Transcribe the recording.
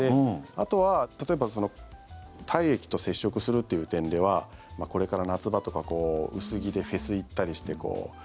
あとは例えば体液と接触するという点ではこれから夏場とか薄着でフェス行ったりして。